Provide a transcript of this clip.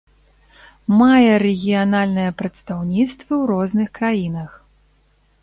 Мае рэгіянальныя прадстаўніцтвы ў розных краінах.